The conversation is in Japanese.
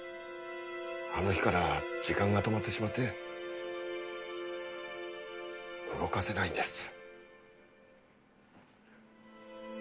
あの日から時間が止まってしまって動かせないんです。